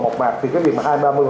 thì cái việc mà hai ba mươi